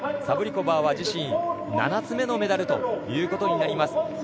サブリコバーは自身、７つ目のメダルということになります。